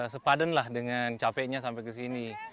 sepaden lah dengan capeknya sampai kesini